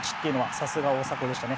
さすが大迫でしたね。